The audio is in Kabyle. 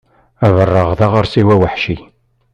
Abareɣ d aɣersiw aweḥci.